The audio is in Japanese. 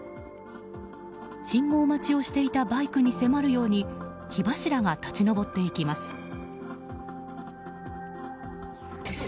信号待ちをしていたバイクに迫るように火柱が立ち上っていきます。